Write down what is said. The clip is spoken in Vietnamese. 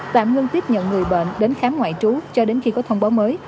tạm ngưng tiếp nhận người bệnh đến khám ngoại trú cho đến khi có thông báo mới